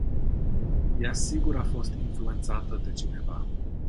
Ea sigur a fost influentata de cineva.